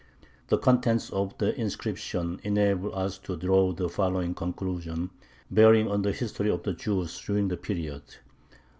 The contents of the inscriptions enable us to draw the following conclusions bearing on the history of the Jews during that period: 1.